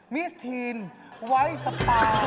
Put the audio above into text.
มิสทีนไวท์สปา